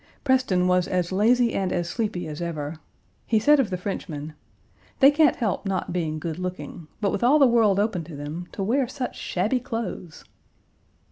Preston was as lazy and as sleepy as ever. He said of the Frenchmen: "They can't help not being good looking, but with all the world open to them, to wear such shabby clothes!"